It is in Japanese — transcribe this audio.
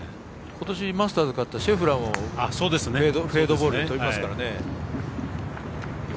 今年マスターズに勝った選手もフェードボールで飛びますからね。